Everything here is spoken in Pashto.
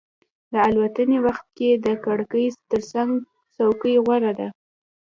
د الوتنې وخت کې د کړکۍ ترڅنګ څوکۍ غوره ده.